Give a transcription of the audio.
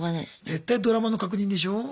絶対ドラマの確認でしょう？